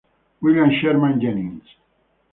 William Sherman Jennings